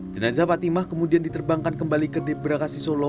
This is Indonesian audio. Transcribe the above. jeneza patimah kemudian diterbangkan kembali ke debrakasi solo